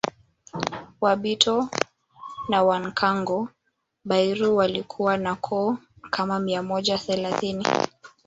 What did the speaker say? Wabito na Wankango Bairu walikuwa na koo kama mia moja thelathini